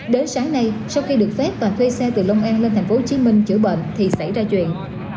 đến sáng nay sau khi được phép toàn thuê xe từ long an lên tp hcm chữa bệnh thì xảy ra chuyện